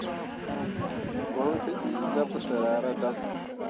Goŋ tǝ dii zah pǝsǝr ahradaŋ.